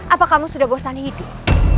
apa kamu sudah bosan hidup